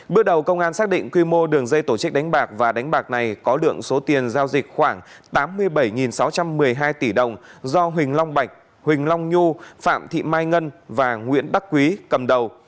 bước đầu công an xác định quy mô đường dây tổ chức đánh bạc và đánh bạc này có lượng số tiền giao dịch khoảng tám mươi bảy sáu trăm một mươi hai tỷ đồng do huỳnh long bạch huỳnh long nhu phạm thị mai ngân và nguyễn đắc quý cầm đầu